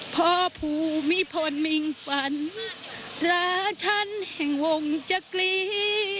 พ่อผู้มิพลมิงปันราชาแห่งวงจกรี